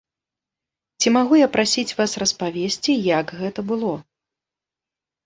Ці магу я прасіць вас распавесці, як гэта было?